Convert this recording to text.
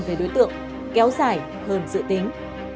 về đối tượng kéo dài hơn dự tính